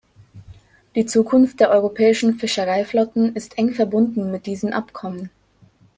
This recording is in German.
Die Zukunft der europäischen Fischereiflotten ist eng verbunden mit diesen Abkommen.